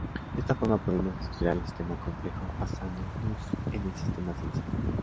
De esta forma, podemos estudiar el sistema complejo basándonos en el sistema sencillo.